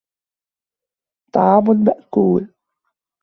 طَعَامٌ مَأْكُولٌ